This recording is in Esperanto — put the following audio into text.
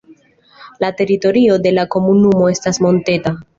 La teritorio de la komunumo estas monteta.